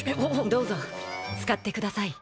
どうぞ使ってください。